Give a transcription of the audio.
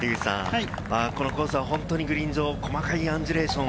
このコースはグリーン上、細かいアンジュレーション。